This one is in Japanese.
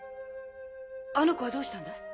あの子はどうしたんだい？